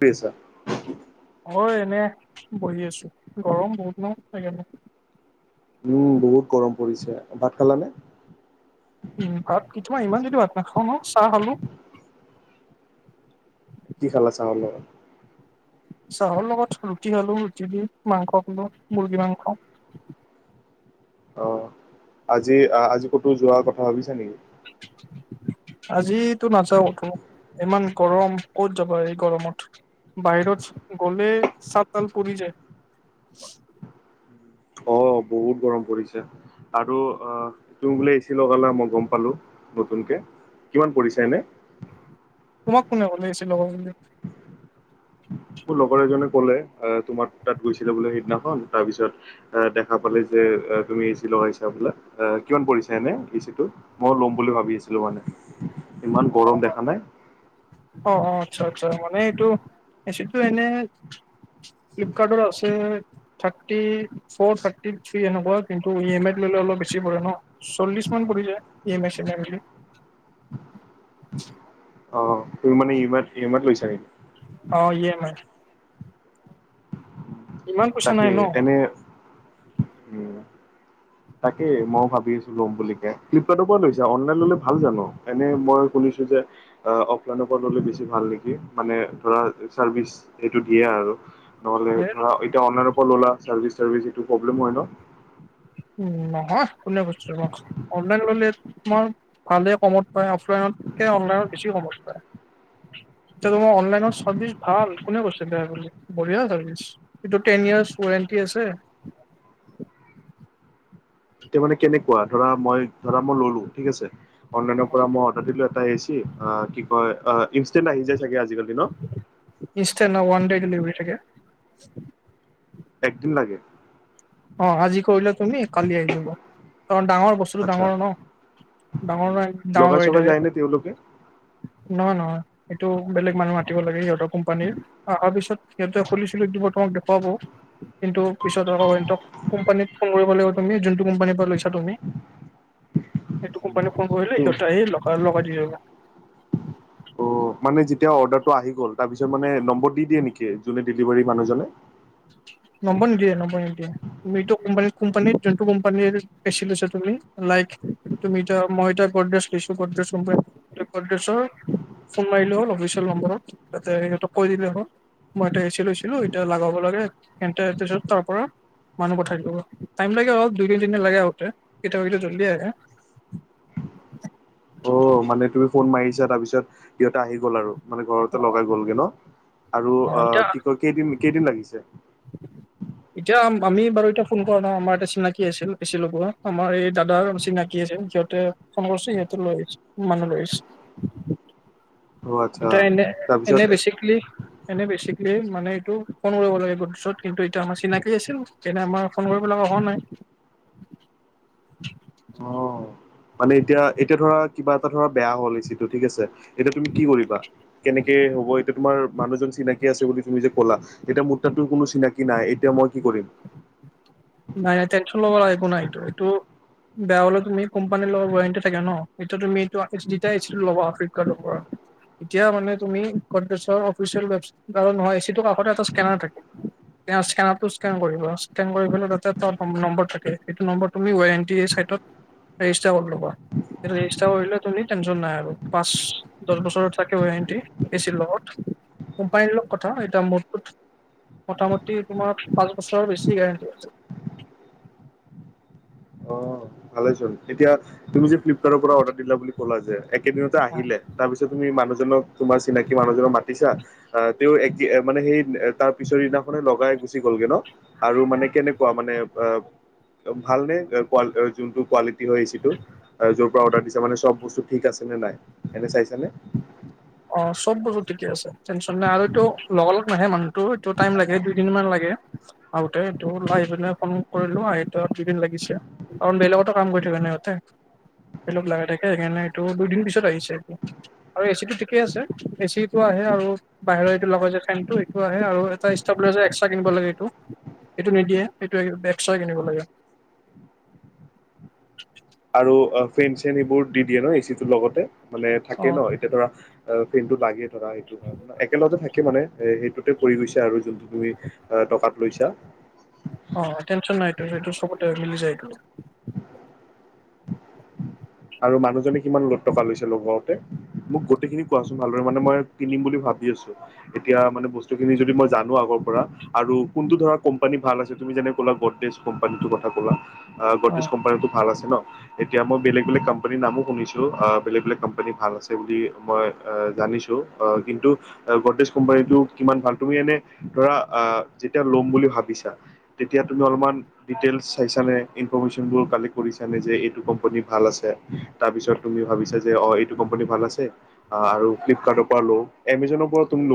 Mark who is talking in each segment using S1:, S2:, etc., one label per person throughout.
S1: পেছা
S2: হয়, এনে বহি আছো, গৰম বহুত ন, ছাগে ন
S1: উম, বহুত গৰম পৰিছে, ভাত খালানে?
S2: উম, ভাত তোমাৰ ইমান জল্দি ভাত নাখাওঁ ন, চাহ খালো।
S1: কি খালা চাহৰ লগত?
S2: চাহৰ লগত ৰুটি খালোঁ, ৰুটি দি মাংস খালোঁ মুৰ্গী মাংস।
S1: অ, আজি-আজি ক'তো যোৱাৰ কথা ভাবিছা নেকি?
S2: আজিতো নাযাওঁ ত ইমান গৰম, ক'ত যাবা এই গৰমত? বাহিৰত গ'লে ছাল-তাল পুৰি যায়।
S1: অ, বহুত গৰম পৰিছে আৰু অ, তুমি বোলে এচি লগালা, মই গম পালো। নতুনকে, কিমান পৰিছে এনে?
S2: তোমাক কোনে ক'লে এচি লগোৱা বুলি?
S1: মোৰ লগৰ এজনে ক'লে, আ তোমাৰ তাত গৈছিলে বোলে সেইদিনাখন, তাৰ পিছত এ দেখা পালে যে তুমি এচি লগাইছা বোলে, কিমান পৰিছা এনে এচি টো, মই ল'ম বুলি ভাবি আছিলো মানে। ইমান গৰম দেখা নাই।
S2: এচি টো এনে ফ্লিপকাৰ্টত আছে থাৰ্টি ফৰ, থাৰ্টি থ্ৰী এনেকুৱা কিন্তু ই এ মাইত ল'লে হ'লে অলপ বেছি পৰে ন, চল্লিশ মান পৰি যায়, ই এ মাই-চি এ মাই পৰি। [inaudible]
S1: অ, তুমি মানে ই এ মাইত-ই এই মাইত লৈছা নেকি?
S2: অ ই এম আই ইমান পইচা নাই
S1: তাকে,
S2: ন
S1: এনে উম তাকেই ময়ো ভাবি আছো ল'ম বুলি কে, ফ্লিপকাৰ্টৰ পৰা লৈছা, অনলাইন ল'লে ভাল জানো? এনেই মই শুনি গতিকে, আ অফলাইনৰ পৰা ল'লে বেছি ভাল নেকি? মানে ধৰা হয় চাৰ্ভিচ এইটো দিয়ে আৰু। নহ'লে
S2: এ
S1: ধৰা এতিয়া অনলাইন পৰা ল'লা, চাৰ্ভিচ-চাৰ্ভিচ এইটো প্ৰব্লেম হয় ন?
S2: উম, নহয় কোনে কৈছে ন? অনলাইন ল'লে তোমাৰ ভালে কমত পাই, অফলাইনতকে অনলাইনত বেছি কমত পাই। এতিয়া তোমাৰ অনলাইনৰ চাৰ্ভিচ ভাল। কোনে কৈছে বেয়া বুলি? বঢ়িয়া চাৰ্ভিচ এইটো টেন ইয়েছ উৱাৰেনটি। আছে
S1: এতিয়া মানে কেনেকুৱা ধৰা মই ধৰা মই ললো ঠিক আছে অনলাইনৰ পৰা মই অৰ্ডাৰ দিলো এ এছি অ কি কয় আহ ইনষ্টেণ্ট আহি যায় চাগে আজিকাল দিন
S2: ইনষ্টেণ্ট ওৱান ডে ডেলিভাৰী থাকে [inaudible]
S1: একদিন লাগে
S2: অ আজি কৰিলে তুমি কালি আহি যাব কাৰণ ডাঙৰ বস্তুটো
S1: আচ্ছা
S2: ডাঙৰ ন ডাঙৰ ন ডাঙৰ
S1: লগাই
S2: গাড়ীত
S1: চগাই
S2: আহে
S1: যায় নে তেওঁলোকে
S2: নহয় নহয় সেইটো বেলেগ মানুহ মাতিব লাগে সিহঁতৰ কোম্পানীৰ অহাৰ পিছত সিহঁতে খুলি ছোলি দিব তোমাক দেখুৱাব কিন্তু পিছত আকৌ কোম্পানীত ফোন কৰিব লাগিব তুমি যোনটো কোম্পানীৰ পৰা লৈছা তুমি সেইটো কোম্পানী ফোন কৰিলে সিহঁতে আহি লগ লগাই দি যাব
S1: অ'
S2: উ
S1: মানে যেতিয়া অৰ্ডাৰটো আহি গ'ল নম্বৰ দি দিয়ে নেকি ডিলিভাৰি মানুহজনে
S2: [unintelligible] নম্বৰ নিদিয়ে নম্বৰ নিদিয়ে তুমি এইটো ক কোম্পানী যোনটো কোম্পানী বেচছ তুমি লাই তুমি এ তয়া মই এ তাৰ বদেছ লিছো ব্ৰছ বদেচৰ ফোন মাৰিলে হ'ল অফিচিয়েল নম্বৰত তাতে সিহঁক কৈ দিলে হ'ল মই এটা এ চি লৈছিলোঁ, এতিয়া লাগাব লাগে। এণ্টাইয়াৰ আৰ্টিচৰ তাৰ পৰা মানুহ পঠাই দিব। টাইম লাগে বাও দুই তিনদিনে লাগে আহোতে। কেতিয়াবা, কেতিয়াবা জল্দি আহে। [inaudible]
S1: অঁ, মানে তুমি ফোন মাৰিছা, তাৰ পিছত সিহঁতে আহি গ'ল আৰু মানে ঘৰতে লগাই গ'লগে ন'। আৰু
S2: অ এতিয়া
S1: অঁ কি কয় কেইদিন, কেইদিন লাগিছে?
S2: [inaudible] এতিয়া আমি বাৰু, এতিয়া ফোন কৰা নাই। আমাৰ এটা চিনাকি আছিল এ চি লগোৱা। আমাৰ এই দাদাৰ চিনাকি যে সিহঁতে সমচি এটা লৈ আহিছে। মানুহ লৈ আহিছে।
S1: অ' আচ্ছা
S2: এইটো এনে,
S1: তাৰপিছত
S2: এনে বেচিকেলি এনে বেচিক্‌ এই মানে এইটো ফোন কৰিব লাগে গোত্‌চত কিন্তু এতিয়া আমাৰ চিনাকি আছিল। তেনে আমাৰ ফোন কৰিব লগা অহা নাই। [inaudible]
S1: অ' মানে এতিয়া, এতিয়া ধৰা কিবা এটা ধৰা বেয়া হ'ল এ চিটো ঠিক আছে তেতিয়া তুমি কি কৰিবা? কেনেকে হ'ব এতিয়া তোমাৰ মানুহজন চিনাকী আছে বুলি তুমি যে ক'লা। এতিয়া মোৰ তাতো কোনো চিনাকি নাই। এতিয়া মই কি কৰিম?
S2: নাই নাই টেনচল ল'ব লগা একো নাইটো। এইটো বেয়া হ'লেও তুমি কোম্পানীৰ লগত ৱাৰেণ্টি থাকে ন'। এতিয়া তুমি এইটো চিধাই এ চি ল'বা ফ্লিপ ৰ্কাটৰ পৰা। এতিয়া মানে, তুমি কনফেনচৰ অফিচিয়েল ৱেবচ্‌- কাৰণ নহ'য় এ চিটো কাষতে তাৰ স্কেনাৰ থাকে। তেওঁ স্কেনাৰটোত স্কেন কৰিব। স্কেন কৰিবলৈটো টত নম্বৰ থাকে। সেটো নম্বৰ তুমি ৱেৰ এন তি চাইটত ৰেজিষ্টাবা লগোৱা। সেইটো ৰেজিষ্টাৰ কৰিলে তুমি টেনশ্যন নাই আৰু পাঁচ দহ বছ থাকে ৱাৰেণ্ট। দি দিছিল লগত, কোম্পানিৰ লগত কথা। এতিয়া মো-টো মোতামুটি তোমাৰ পাঁচ বছৰৰ বেছি গেৰেণ্টি আছে।
S1: ভালে চোন, এতিয়া তুমি যে ফ্লিপকাৰ্টৰ পৰা অৰ্ডাৰ দিলা বুলি ক'লা যে এক কেইদিনতে আহিলে। তাৰপিছতে তুমি মানুহজনক, তোমাৰ চিনাকি মানুহজনক মাত দিছা, আ তেওঁ এক এ মানে সেই তাৰ পিছৰ দিনাখনে লগাই গুচি গ'লগে ন? ' আৰু মানে কেনেকুৱা? মানে অ ভালনে কুৱা---ঐ যোনটো কোৱালিটি হ'য়, এচিটো য'ৰ পৰা অৰ্ডাৰ দিছা মানে চব বস্তু ঠিক আছে নে নাই, এনে চাইছানে?
S2: [inaudible] অঁ, চব বস্তু ঠিকেই আছে। টেনশ্যন নাই আৰু এইটো। লগা লগ নাহে মানুহটো, এইটো টাইম লাগে। দুইদিনমান লাগে। হেঁ, আহোতেটো নাইনে নে কোনো? কৰিলোঁ আ এই দুদিন লাগিছে কাৰণ বেলেগটো কাম কৰি থাকে ন'সিহঁতে। লগ লাগাই থাকে। সেইকাৰণে এইটো দুইদিন পিছত আহিছে আৰু এচিটো ঠিকেই আছে। এ চি টো আহে আৰু বাহিৰত এইটো লগাইছে। ফেন টো এইটো আহে আৰু ষ্ট-ষ্টব্লেজাৰ এক্সট্ৰা কিনিব ব লাগে এইটো। এইটো নিদিয়ে, এইটো এক্সট্ৰা কিনিব লাগে। [inaudible]
S1: আৰু অঁ ফেন-চেন এইবোৰ দি দিয়ে ন'এচিটোৰ লগতে। মানে
S2: অ
S1: থাকে ন'? এতিয়া ধৰা আৰু ফিলটো লাগে ধৰা, সেইটো কাৰ একেলগে থাকে। একে মানে এ সেইটোতে পৰি গৈছে আৰু যোনটো তুমি অ টকাত লৈছা।
S2: অঁ টেন্‌চন নাইটো সেইটো চবতে মিলি যায়টো। [inaudible]
S1: আৰু মানুহজনে কিমান লাখ টকা লৈছে লগোৱাওঁতে? মোক গোটেইখিনি কোৱাচোন ভালদৰে। মানে, মই কিনিম বুলি ভাৱি আছো। এতিয়া মানে বস্তুখিনি যদি মই জানো আগৰ প প পৰা আৰু কোনটো ধৰা কোম্পানী ভাল আছে। তুমি যেনে ক'লা গডৰেজ কোম্পানীটোৰ কথা ক'লা। আ
S2: অ
S1: ইষ্ট কোম্পানীটো ভাল আছে ন'? এতিয়া মই বেলেগ বেলেগ কোম্পানীৰ নামো শুনিছো। আ--বেলেগ বেলেগ কোম্পানী ভাল আছে বুলি মই অ জান শুনিছো, অঁ কিন্তু অঁ ভল্টেজ কোম্পানীটো কিমান ভাল? তুমি এনে ধৰা আ-যেতিয়া লম বুলি ভাৱিছা, তেতিয়া তুমি অলপমান ডিটেইলছ চাইছানে? কিন [unintelligible] কালেক্ট কৰি চালে যে, এইটো কোম্পানী ভাল আছে, তাৰ পিছত তুমি ভাবিচা যে অ এইটো কোম্পানী ভাল আছে আৰু ফ্লিপকাৰ্টৰ পৰা লওক। এমেজানৰ পৰা তুমি ল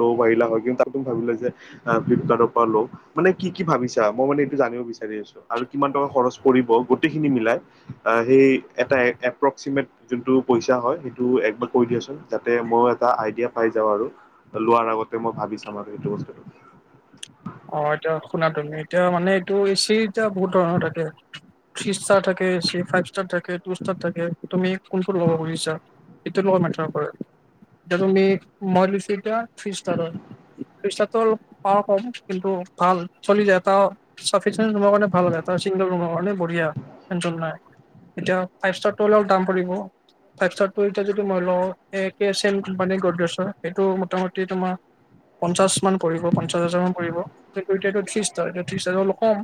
S1: ল'ব পাৰিলা হ'য়। কিন্তু তাটো ভা ভাৱিলে যে আ ফ্লিপকাৰ্টৰ পৰা লওক। মানে কি কি ভাৱিছা? মই মানে এইটো জানিব বিচাৰি আছো আৰু কিমান টকা খৰচ পৰিব গোটেই খিনি মিলাই সেই এটা এপকচিমেন্ত জোনটো হয় সেইটো একবাৰ কৈ দিয়াচোন? যাতে মই এটা আইডিয়া পাই যাওঁ আৰু। লোৱাৰ আগতে মই ভাবি চাম আৰু এইেটো বস্তুটো।
S2: অ এতিয়া শুনা তুমি এতিয়া মানে এইটো এচি এতিয়া বহুত ধৰণৰ থাকে। থ্ৰ্ৰী ষ্টাৰ থাকে ফাইভ ষ্টাৰ থাকে টু ষ্টাৰ থাকে তুমি কোনটো লগব খুজিছা? এটো লগৰ মেতাৰ কৰে এতিয়া তুমি মই লছ এতিয়া। থ্ৰীষ্টাৰৰ থ্ৰীষ্টাৰতটো অলপ প কম। কিন্তু ভাল চলি যায় এটা সাফিচিয়েন্ত ৰুমৰ কাৰণে ভাল হয় এটা চিংগল ৰুমৰ কাৰণে বঢ়িয়া। এনটম নাই, এতিয়া ফাইপইষ্টাৰ টো অলপ দাম পৰিব। ফাইপইষ্টাৰ এতিয়া যদি মই লওঁ একে ছেম কোম্পানীৰ গডছ সেইটো মোটামুটি তোমাৰ পঞ্চাশ মান পৰিব পঞ্চাশ হাজাৰ মান পৰিব এতিয়া ত্ৰিশ হাজাৰ এ ত্ৰিশ হাজাৰ অলপ কম।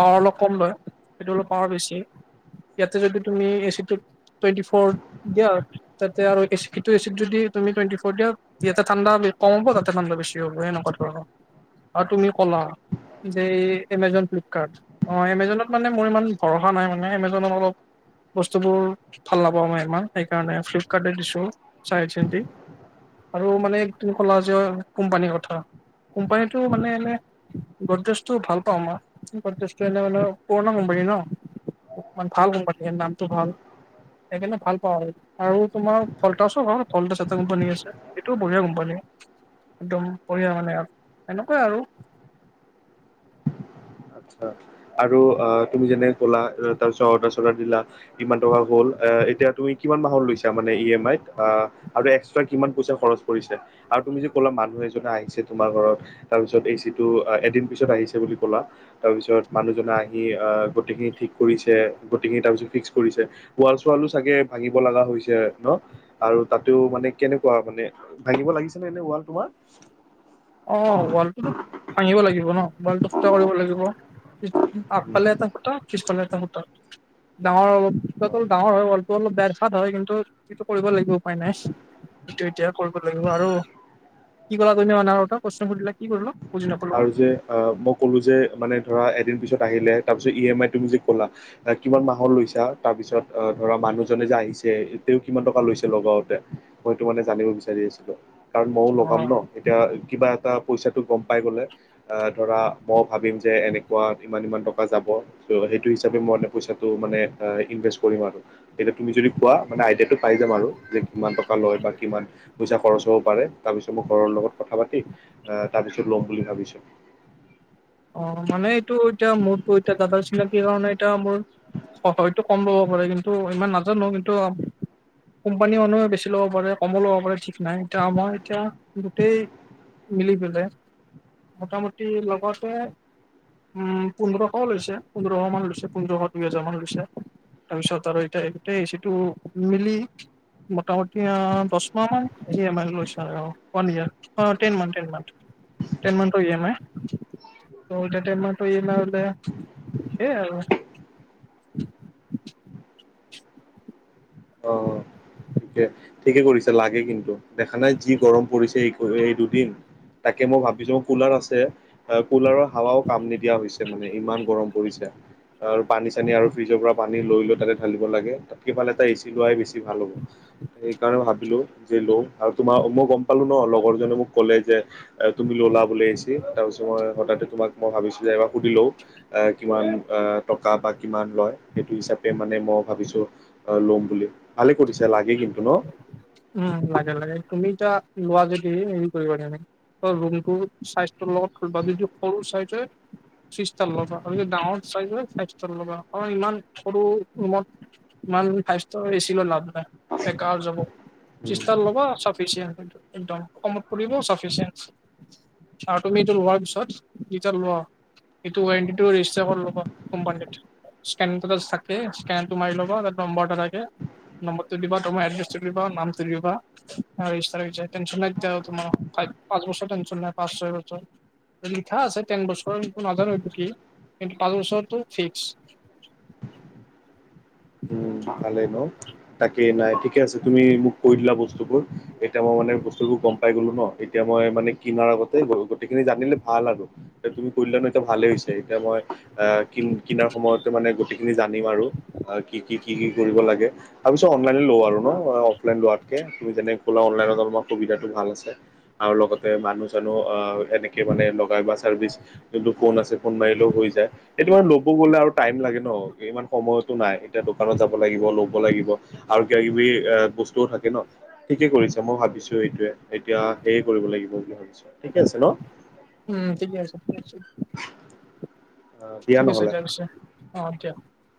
S2: পাৱাৰ অলপ কম লয় সেইটো অলপ পাৱাৰ বেছি। ইয়াতে যদি তুমি এচি টুৱেটি ফৰ দিয়া তাতে আৰু এি এচি যদি। তুমি টুৱেটি ফৰ দিয়া ইয়াতে ঠাণ্ডা কম হব তাতে ঠাণ্ডা বেছি হব সেনেকুৱা ধৰণৰ। অ তুমি কলা যে এমজন ফ্লিপকাৰ্ট অ এমজনত মানে মোৰ ইমান ভৰসা নাই মানে এমেজনত অলপ বস্তুবোৰ ভাল নাপাওঁ মই সেইকাৰণে ফ্লিপকাৰ্টে দিছোঁ চাই চেটি। আৰু মানে তুমি কলা যে কোম্পানীৰ কথা কোম্পানীৰ মানে এনে গডেজটো ভাল পাওঁ মই গডেজটো এনে মানে পুৰণা কোম্পানী ন। অকমান ভাল কোম্পানীৰ নামটো ভাল। সেইকাৰণে ভাল পাওঁ আৰু আৰু তোমাৰ ফল্টাচো হয় ফল্টাছ এটা কোম্পানী আছে সেইটোও বঢ়িয়া কোম্পানী। একদম বঢ়িয়া মানে এনেকুৱাই আৰু।
S1: আচ্ছা আৰু অ তুমি যেনেক ক'লা তাৰপিছত অৰ্ডাৰ চৰ্ডাৰ দিলা ইমান টকা বল আ এতিয়া তুমি কিমান মা কম লৈছা মানে ইয়েমাইত আ আৰু এক্সটা কিমান পইচা খৰচ কৰি আৰু তুমি যে কল মানুহ এ আহিছে তোমাৰ ঘৰত তাৰ পিছত এচিটো এদিন পিছত আহিছে বুলি ক'লা। তাৰ পিছত মানুহজনে আহি আহ গোটেইখিনি ঠিক কৰিছে গোটেইখিনি তাৰপিছত ফিক্স কৰিছে ৱাল চোৱাল চাগে ভাঙিব লগা হৈছে ন আৰু তাতো মানে কেনেকুৱা মানে ভাঙিব লাগিছে নে ন। তোমাৰ
S2: অ ৱালটোতো ভাঙিব লাগিব ন ৱালটো ফুটা কৰিব লাগিব। আগফালে এটা
S1: উম,
S2: ফুটা পাছফালে এটা ফুটা ডাঙৰ অলপ [inaudible] ডাঙৰ হয় ৱালটো অলপ বেৰ চাদ হয় কিন্তু সিটো কৰিব লাগিব। উপায় নাই। সেইটো এতিয়া কৰিব লাগিব আৰু কি ক'লা তুমি মানাৰ প্ৰশ্ন সুধিলে কি কৰিব?
S1: আৰু যে অ' মই ক'লো যে মানে ধৰা এদিন পিছত আহিলে তাৰ পিছত ই এম আই তুমি যি ক'লা কিমান মাহৰ লৈছা তাৰ পিছত অ' ধৰা মানুহ জনে যে আহিছ তেওঁ কিমান টকা লৈছে লগাওতে মইতো মানে জানিব বিচাৰি আছিলোঁ। কাৰণ মইয়ো
S2: অ
S1: লগাম ন এতিয়া কিবা এটা পইচাটো গম। পাই গ'লে আ ধৰা মই ভাবিম যে এনেকুৱা ইমান -সিমান টকা যাব ত সেইটো হিচাপে মোক মানে পইচাটো মানে অ' এনভেছ কৰিম আৰু এতিয়া তুমি যদি কোৱা আইডিয়া পাই যাম আৰু কেই টকা লয় বা কিমান পইছা খৰচ হ'ব পাৰে। তাৰ পিছত মই ঘৰৰ লগত কথা পাতি তাৰপিছত লম বুলি ভাবিছো।
S2: অ' মানে এইটো এতিয়া মূৰটো এতিয়া দাদা চিনাকি কাৰণে এতিয়া মোৰ হয়তো কম ল'ব পাৰে কিন্তু ইমান নাজানো কিন্তু কোম্পানী মানুহে বেছি ল'ব পাৰে। কমো ল'ব পাৰে ঠিক নাই। এতিয়া আমাৰ এতিয়া গোটেই মিলি পেলাই মোটামুটি লগতে উম পোন্ধৰশও লৈছে পোন্ধৰশ মান লৈছে। পোন্ধৰশ দুই হোজাৰ মান লৈছে। তি সতৰৈটাটাই সিটো মিলি [inaudible] মোটামুটি দহ মাহ ইমেল লৈছে আৰুৱান টেন মান [inaudible] েন মান [inaudible] টেন মাহ মান ইয়েমান। উলটাইম এ নলে হেই আৰু [inaudible]
S1: অ' ঠিকে ঠিকে কৰিছো। লাগে কিন্তু দেখা নাই যি গৰম পৰিছে এই এই দুদিন তাকে মই ভাবিছো মোৰ কুলাৰ আছে। কুলাৰৰ হাৱাও কাম নিদিয়া হৈছে মানে ইমান গৰম পৰিছে। পানী চানী আৰু ফ্ৰিজৰ পৰা পানী লৈ লৈ তাতেঢালিব লাগে তাতকেফালে এটা এ চি লোৱাই বেছি ভাল হ'ব। সেইকাৰণে ভাবিলো যে ল আৰু তোমাৰ মই গম পালো ন লগৰজনে মোক ক'লে যে তুমি ললা বুলি আহিছ তাৰ পিছত মই হঠাতে তোমাক মই ভাবিছো। সুধিলেও আহ কিমান অ' টকা বা কিমান লয় সেইটো হিচাপে মানে মই ভাবিছো। অ' ল'ম বুলি ভালে কৰিছে লাগে কিন্তু ন
S2: উম লাগে লাগে তুমি য লোৱা যদি হেৰি কৰিবে ৰুমটো লগত য সৰু চাইজ হয় তাক ডাৰ চাই ইমান সৰু ত ল [inaudible] একম
S1: ন
S2: কমত পৰিবফিয়ে চাৰ তমিনটো লোৱাৰ পিছত যেতিয়া লোৱা। এইটো ৰেজিষ্টাৰল কোম্পানীত স্কে থাকে স্কেটো মাৰ ল'ব তাৰ নম্বৰটা থাকে। নম্বৰটো দিব তমাৰ এড্ৰেছটো দিবা নাম াহ তাৰিখ টেনন লাই তোমাৰ পাঁচ বছৰ টন্যন নাই পাঁচ ছয় বছৰ লিখা আছে ন বছৰৰ নাজানো এইটো কি কিন্তু পাঁচ বছৰটো ফিক্স [inaudible]
S1: ভালে নো তাকে নাই ঠিকে আছে। তুমি মোক কৈ দিলা বস্তুবোৰ এতিয়া মই মানে বস্তুবোৰ গম পাই গলো ন এতিয়া মই মানে কিনাৰ আগতে গোটেই খিনি জানিলে ভাল আৰু এ তুমি কলানো এতিয়া ভালে হৈছে। এতিয়া মই আহ কিন কিনাৰ সময়তে মানে গোটেইখিনি জানিম আৰু কি কি কি কি কৰিব লাগে। তাৰপিছত অনলাইনে লওঁ আৰু ন অফলাইন লোৱাতকে ত যেনে ক'লা অনলাইনতলাৰ সুবিধাটো ভাল আছে। আৰু লগতে মানুহ চানুহ আহ এনেকে মানে লগাই বা চাৰ্ভিচ যোনটো ফোন আছে। ফোন মাৰিলেও সটো ল'ব গলে আৰু ই লাগে ন ইমান সময়তো নাই এতিয়া দোকানত যাব লাগিব। ল আৰু কিবা কিবি এ বস্তুও থাকে ন ঠিকে কৰিছে মই ভাবিছো এইটোয়ে এতিয়া। হেৰি কৰিব লাগিব বুলি ভাবিছো ঠিকে আছে ন?
S2: উম ঠিকে আছে
S1: দিয়া
S2: ঠিক আছে
S1: নহ'লে
S2: এতিয়াৰ পিছে অ দিয়া